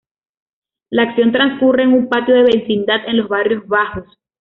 La acción transcurre en un patio de vecindad, en los barrios bajos.